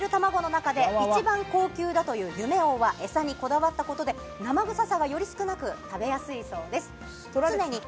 扱っているたまごの中で一番高級だという「夢王」はエサにこだわったことで生臭さがより少なく食べやすいそうです。